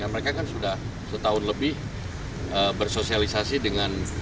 mereka kan sudah setahun lebih bersosialisasi dengan